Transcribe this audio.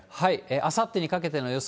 あさってにかけての予想